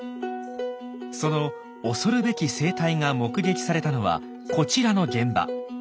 その恐るべき生態が目撃されたのはこちらの現場。